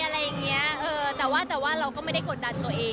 มันก็เหมือนแบบว่าเราก็อยากมีอะไรอย่างนี้แต่ว่าเราก็ไม่ได้กดดันตัวเอง